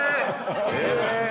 え！